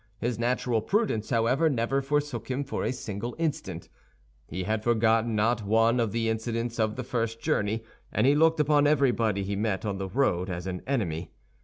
His natural prudence, however, never forsook him for a single instant. He had forgotten not one of the incidents of the first journey, and he looked upon everybody he met on the road as an enemy.